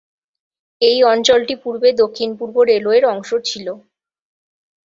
এই অঞ্চলটি পূর্বে দক্ষিণ পূর্ব রেলওয়ের অংশ ছিল।